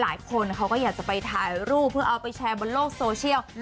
หลายคนเขาก็อยากจะไปถ่ายรูปเพื่อเอาไปแชร์บนโลกโซเชียล